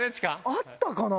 あったかな？